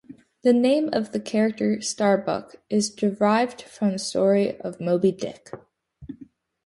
The name of the character Starbuck is derived from the story of Moby Dick.